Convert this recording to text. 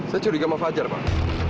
saya curiga sama fajar pak